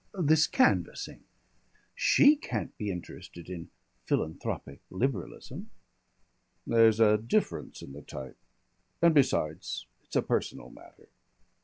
"This canvassing. She can't be interested in philanthropic Liberalism." "There's a difference in the type. And besides, it's a personal matter."